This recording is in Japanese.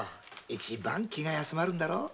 一番気が休まるんだろう。